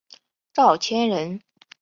赵谦人。